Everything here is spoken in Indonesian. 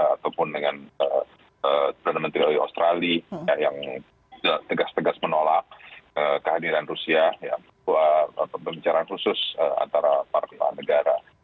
ataupun dengan perdana menteri dari australia yang tegas tegas menolak kehadiran rusia buat pembicaraan khusus antara para kepala negara